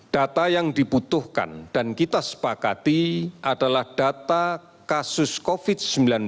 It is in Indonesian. data yang dibutuhkan dan kita sepakati adalah data kasus covid sembilan belas